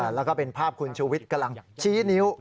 แล้วก็เป็นภาพคุณชูวิทย์กำลังชี้นิ้ว